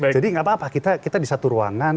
jadi tidak apa apa kita di satu ruangan